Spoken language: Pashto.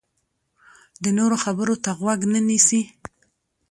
د نورو خبرو ته غوږ نه نیسي.